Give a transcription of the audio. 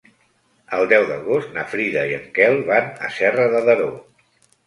El deu d'agost na Frida i en Quel van a Serra de Daró.